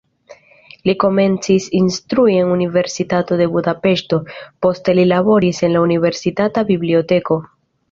Li komencis instrui en Universitato de Budapeŝto, poste li laboris en la universitata biblioteko.